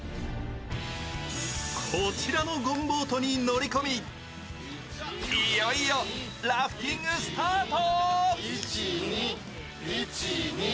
こちらのゴムボートに乗り込み、いよいよラフティングスタート！